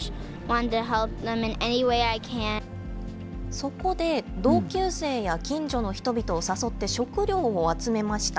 そこで、同級生や近所の人々を誘って、食料を集めました。